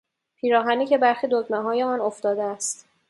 پیراهنی که برخی دکمههای آن افتاده است